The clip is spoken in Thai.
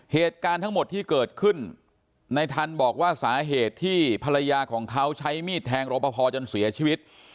เหตุการณ์ทั้งหมดที่เกิดขึ้นในทันบอกว่าสาเหตุที่ภรรยาของเขาใช้มีดแทงรอปภจนเสียชีวิต